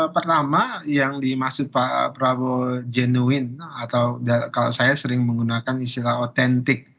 pertama yang dimaksud pak prabowo jenuin atau kalau saya sering menggunakan istilah otentik